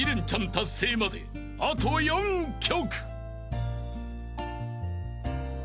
達成まであと４曲］